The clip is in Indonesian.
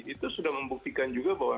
itu sudah membuktikan juga bahwa